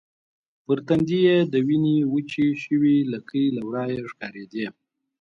پر تندي يې د وینې وچې شوې لکې له ورایه ښکارېدې.